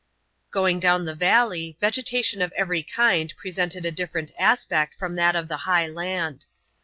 Going down the valley, vegetation of every kind presented a different aspect from that of the high land.